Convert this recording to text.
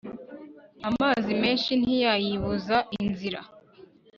amazi menshi ntiyayibuza inzira